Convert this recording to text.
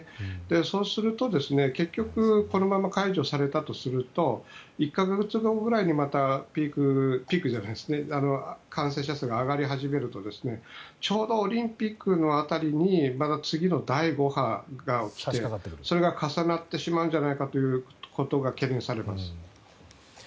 そうすると、結局このまま解除されたとすると１か月後くらいにまた感染者数が上がり始めるとちょうどオリンピックの辺りにまた次の第５波がきてそれが重なってしまうんじゃないかということが懸念されます。